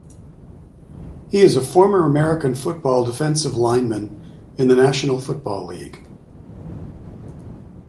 He is a former American football defensive lineman in the National Football League.